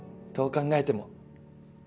どう考えても。